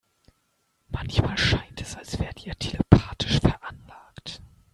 Manchmal scheint es, als wärt ihr telepathisch veranlagt.